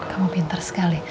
kamu pinter sekali